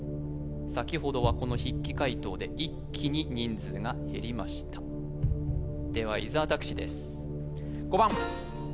さきほどはこの筆記解答で一気に人数が減りましたでは伊沢拓司です